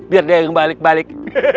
biar dia balik balik